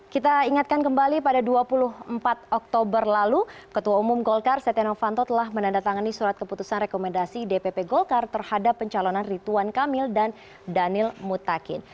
kita ingatkan kembali pada dua puluh empat oktober lalu ketua umum golkar setia novanto telah menandatangani surat keputusan rekomendasi dpp golkar terhadap pencalonan rituan kamil dan daniel mutakin